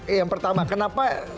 yang pertama kenapa